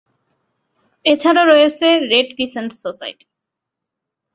এছাড়া রয়েছে red crescent society.